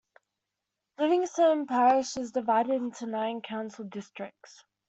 Livingston Parish is divided into nine council districts.